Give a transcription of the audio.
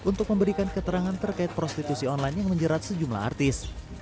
untuk memberikan keterangan terkait prostitusi online yang menjerat sejumlah artis